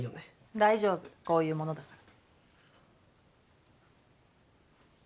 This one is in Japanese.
大丈夫こういうものだから。